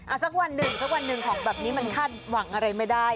สักวันหนึ่งสักวันหนึ่งของแบบนี้มันคาดหวังอะไรไม่ได้